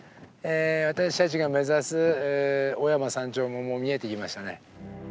私たちが目指す雄山山頂ももう見えてきましたね。